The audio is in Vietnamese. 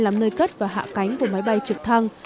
làm nơi cất và hạ cánh của máy bay trực thăng